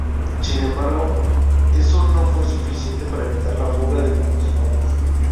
Sin embargo, eso no fue suficiente para evitar la fuga de participantes.